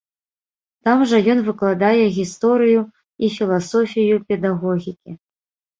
Там жа ён выкладае гісторыю і філасофію педагогікі.